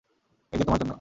এই যে, তোমার জন্য।